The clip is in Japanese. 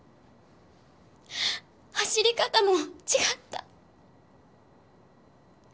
走り方も違った。